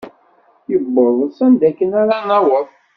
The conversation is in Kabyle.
Yewweḍ s anda akken ara naweḍ.